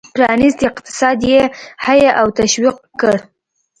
پرانیستی اقتصاد یې حیه او تشویق کړ.